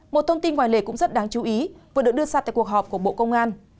một thông tin ngoài lề cũng rất đáng chú ý vừa được đưa ra tại cuộc họp của bộ công an